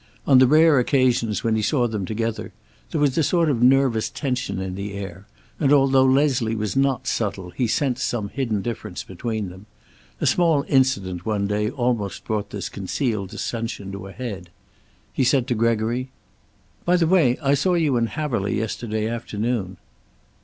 On the rare occasions when he saw them together there was a sort of nervous tension in the air, and although Leslie was not subtle he sensed some hidden difference between them. A small incident one day almost brought this concealed dissension to a head. He said to Gregory: "By the way, I saw you in Haverly yesterday afternoon."